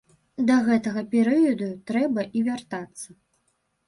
Да гэтага перыяду трэба і вяртацца.